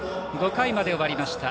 ５回まで終わりました。